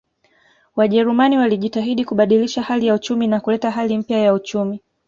Wajerumani walijitahidi kubadilisha hali ya uchumi na kuleta hali mpya ya uchumi